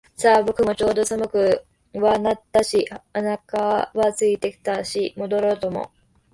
さあ、僕もちょうど寒くはなったし腹は空いてきたし戻ろうと思う